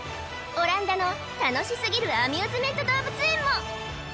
オランダの楽しすぎるアミューズメント動物園も！